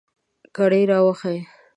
کړئ را ویښې